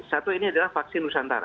satu ini adalah vaksin nusantara